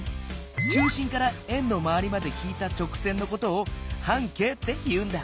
中心から円のまわりまで引いた直線のことを半径って言うんだ。